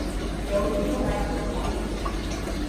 刘裕后来做了皇帝。